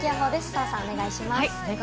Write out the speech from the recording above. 澤さん、お願いします。